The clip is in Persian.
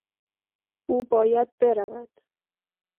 او باید برود.